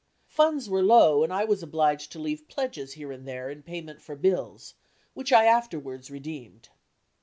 Funds were low and I was obliged to leave pledges here and there, in payment for bills, which I afterwards redeemed.